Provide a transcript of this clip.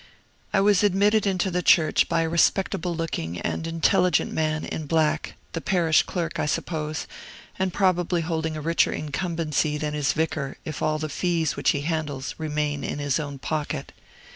I was admitted into the church by a respectable looking and intelligent man in black, the parish clerk, I suppose, and probably holding a richer incumbency than his vicar, if all the fees which he handles remain in his own pocket.